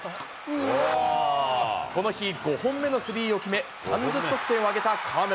この日、５本目のスリーを決め、３０得点を挙げた河村。